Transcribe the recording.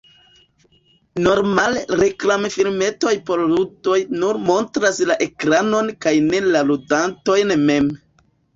Normale reklamfilmetoj por ludoj nur montras la ekranon kaj ne la ludantojn mem.